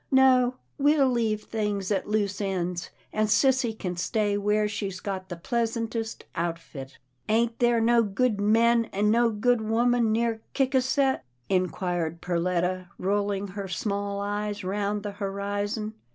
No, we'll leave things at loose ends, and sissy can stay where she's got the pleas antest outfit." " Ain't there no good men an' no good women near Ciscasset ?" inquired Perletta, rolling her small eyes round the horizon.